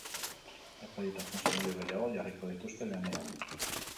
Epaile eta funtzionario gehiago jarriko dituzte lanean.